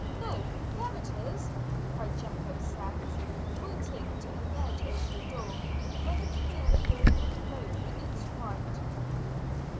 "No, there it is!" cried Jethro Sands, pointing to a ledge over the door, where the canary bird had flown in its fright.